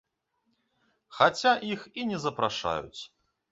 Хаця іх і не запрашаюць.